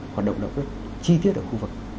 hoạt động động đất chi tiết ở khu vực